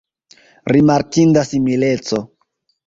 Rimarkinda simileco!